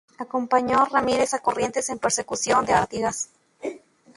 Acompañó a Ramírez a Corrientes en persecución de Artigas.